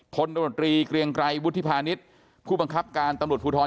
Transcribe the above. พลตำรวจรีเกรียงไกรวุฒิภาณิชย์ผู้บังคับการตำรวจภูทร